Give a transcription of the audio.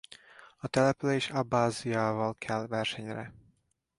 A település Abbáziával kel versenyre.